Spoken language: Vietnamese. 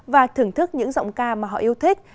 và thưởng thức những giọng ca mà họ yêu thích